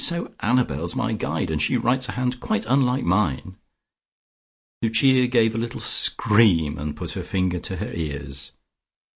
"So Annabel's my guide, and she writes a hand quite unlike mine." Lucia gave a little scream, and put her fingers to her ears.